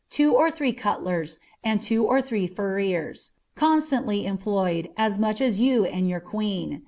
two or three cutlers, and twro or ihrm Fuinti. constantly cinptoyed, as much as you and your qae«n.